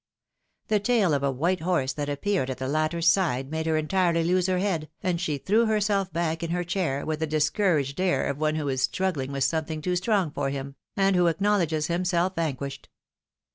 The tail of a white horse that appeared at the lattePs side made her entirely lose her head, and she threw herself back in her chair with the discouraged air of one who is struggling with something too strong for him, and who acknowledges himself vanquished.